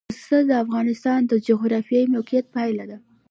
پسه د افغانستان د جغرافیایي موقیعت پایله ده.